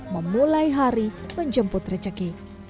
memulai hari menjemput rezeki